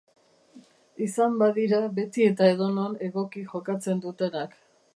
Izan badira beti eta edonon egoki jokatzen dutenak.